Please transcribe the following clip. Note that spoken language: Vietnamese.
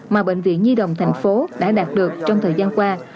mà bệnh viện nhi đồng tp hcm đã đạt được trong thời gian qua